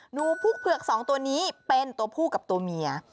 พุกเผือกสองตัวนี้เป็นตัวผู้กับตัวเมีย